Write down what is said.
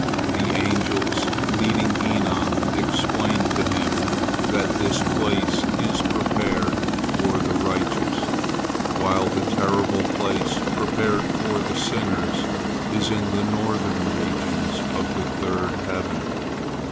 The angels leading Enoch explained to him that this place is prepared for the righteous, while the terrible place prepared for the sinners is in the northern regions of the third heaven.